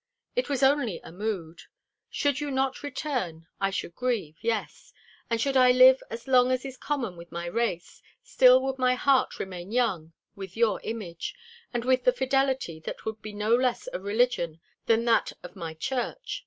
It was only a mood. Should you not return I should grieve, yes; and should I live as long as is common with my race, still would my heart remain young with your image, and with the fidelity that would be no less a religion than that of my church.